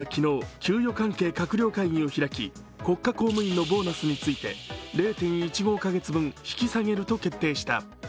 政府は昨日、給与関係閣僚会議を開き、国家公務員のボーナスについて０．１５カ月分引き下げると決定した。